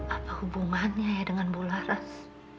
apa hubungannya ya dengan bu laras